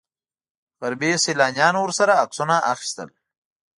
غربي سیلانیانو ورسره عکسونه اخیستل.